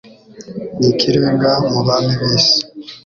n’ikirenga mu bami b’isi